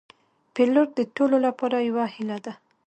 پیلوټ د ټولو لپاره یو هیله ده.